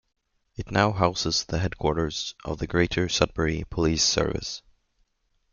It now houses the headquarters of the Greater Sudbury Police Service.